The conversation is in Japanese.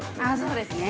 ◆そうですね。